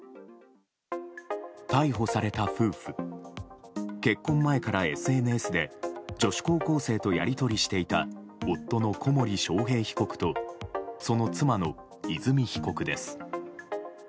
逮捕された夫婦結婚前からＳＮＳで女子高校生とやりとりしていた夫の小森章平被告とその妻の和美被告です。